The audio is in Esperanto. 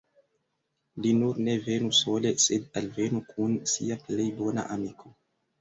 Li nur ne venu sole, sed alvenu kun sia plej bona amiko.